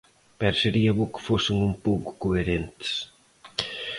Pero sería bo que fosen un pouco coherentes.